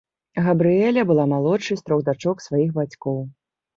Габрыэля была малодшай з трох дачок сваіх бацькоў.